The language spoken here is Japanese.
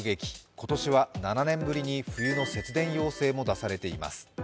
今年は７年ぶりに冬の節電要請も出されています。